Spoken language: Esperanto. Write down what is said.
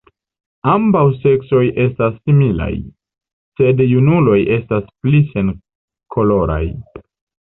Ambaŭ seksoj estas similaj, sed junuloj estas pli senkoloraj.